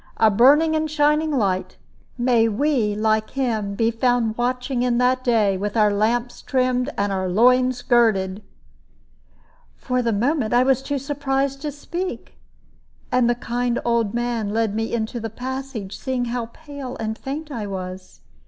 A burning and a shining light! May we like him be found watching in that day, with our lamps trimmed and our loins girded!" For the moment I was too surprised to speak, and the kind old man led me into the passage, seeing how pale and faint I was.